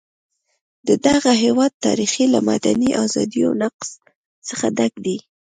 د دغه هېواد تاریخ له مدني ازادیو نقض څخه ډک دی.